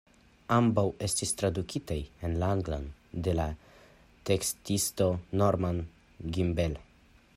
Ambaŭ estis tradukitaj en la anglan de la tekstisto Norman Gimbel.